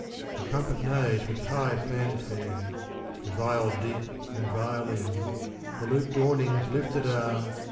The trumpet neighs with high fanfare, The viol deep and violin ; The looped awnings lifted are.